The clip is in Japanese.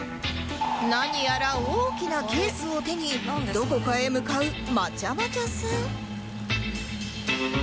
何やら大きなケースを手にどこかへ向かうまちゃまちゃさん